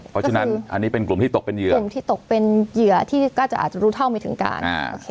เพราะฉะนั้นอันนี้เป็นกลุ่มที่ตกเป็นเหยื่อกลุ่มที่ตกเป็นเหยื่อที่ก็จะอาจจะรู้เท่าไม่ถึงการ